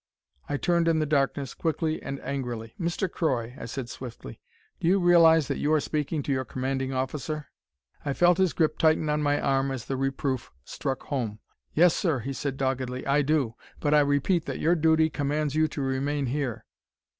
I turned in the darkness, quickly and angrily. "Mr. Croy," I said swiftly, "do you realize that you are speaking to your commanding officer?" I felt his grip tighten on my arm as the reproof struck home. "Yes, sir," he said doggedly. "I do. But I repeat that your duty commands you to remain here."